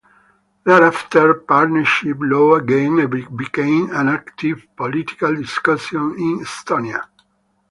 Thereafter partnership law again became an active political discussion in Estonia.